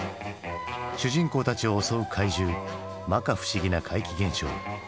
主人公たちを襲う怪獣まか不思議な怪奇現象。